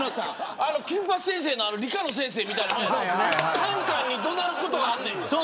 金八先生の理科の先生みたいなカンカンに怒鳴ることがあんねん。